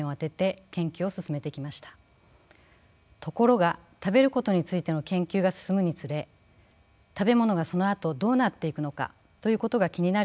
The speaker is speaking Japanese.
ところが食べることについての研究が進むにつれ食べ物がそのあとどうなっていくのかということが気になるようになりました。